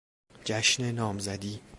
جشن نامزدی